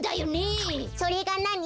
それがなに？